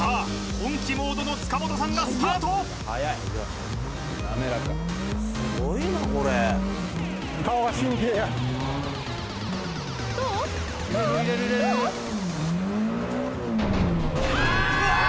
本気モードの塚本さんがスタートあ！